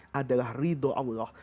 yang adalah ridho allah